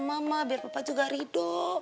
mama biar bapak juga ridho